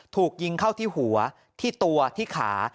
ถูกยิงเข้าที่หัวที่ตัวที่ขา